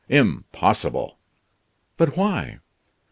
"Impossible!" "But why?"